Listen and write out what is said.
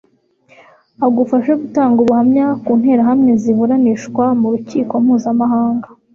agufashe gutanga ubuhamya ku nterahamwe ziburanishwa mu rukiko mpuzamahanga